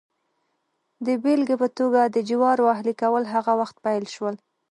د بېلګې په توګه د جوارو اهلي کول هغه وخت پیل شول